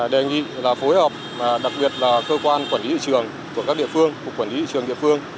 đề nghị phối hợp đặc biệt là cơ quan quản lý thị trường của các địa phương của quản lý thị trường địa phương